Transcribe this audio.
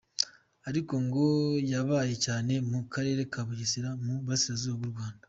Ariko ngo yabaye cyane mu karere ka Bugesera mu burasirazuba bw'u Rwanda.